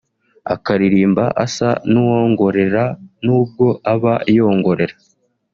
akaririmba asa n’uwongorera; n’ubwo aba yongorera